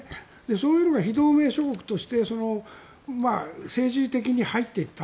そういうのが非同盟諸国として政治的に入っていった。